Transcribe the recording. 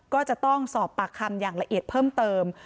ก็จะต้องสอบปากคำอย่างละเอียดเพิ่มเติม